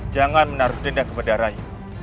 jangan menaruh dendam kepada rai